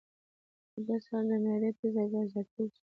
د دې سره د معدې تېزابيت زياتيږي